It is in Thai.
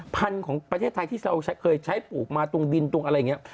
พันธุ์ของประเทศไทยที่เราเคยใช้ปลูกมาตรงดินตรงอะไรอย่างนี้